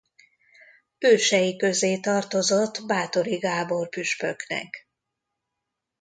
Ősei közé tartozott Báthory Gábor püspöknek.